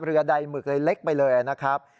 ใดหมึกเลยเล็กไปเลยนะครับ